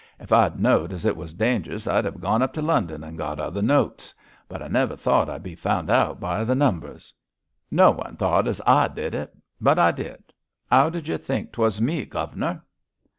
If I'd know'd as it was dangerous I'd hev gone up to London and got other notes; but I never thought I'd be found out by the numbers. No one thought as I did it; but I did. 'Ow did you think 'twas me, guv'nor?'